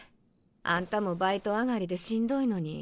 あんたもバイト上がりでしんどいのに。